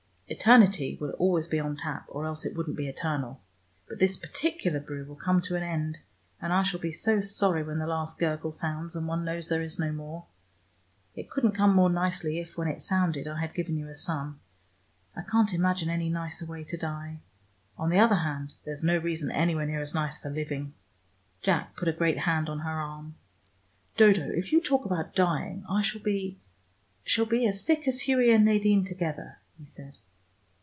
Eternity will always be on tap, or else it wouldn't be eternal. But this particular brew will come to an end, and I shall be so sorry when the last gurgle sounds, and one knows there is no more. It couldn't come more nicely, if when it sounded, I had given you a son. I can't imagine any nicer way to die. On the other hand, there's no reason anywhere near as nice for living." Jack put a great hand on her arm. "Dodo, if you talk about dying, I shall be shall be as sick as Hughie and Nadine together," he said.